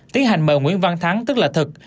tiến hành mời nguyễn văn thắng tức là thật